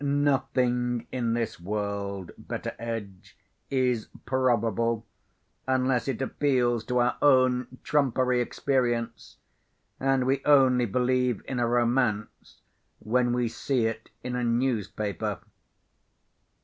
Nothing in this world, Betteredge, is probable unless it appeals to our own trumpery experience; and we only believe in a romance when we see it in a newspaper."